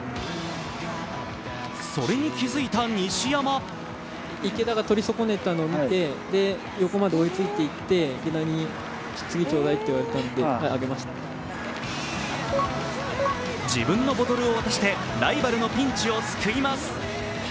それに気付いた西山自分のボトルを渡してライバルのピンチを救います。